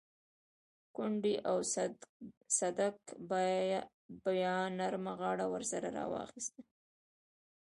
کونډې او صدک بيا نرمه غاړه ورسره راواخيسته.